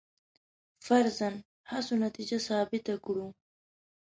فرضاً هڅو نتیجه ثابته کړو.